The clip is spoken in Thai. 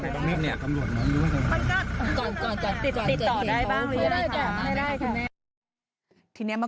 ปี๖๕วันเกิดปี๖๔ไปร่วมงานเช่นเดียวกัน